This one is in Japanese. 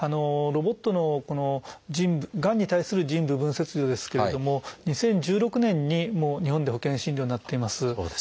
ロボットのがんに対する腎部分切除ですけれども２０１６年に日本で保険診療になっています。